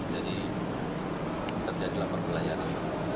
jadi terjadi lapar belayanan